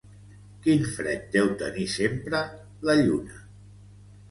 —Quin fred deu tenir sempre la lluna!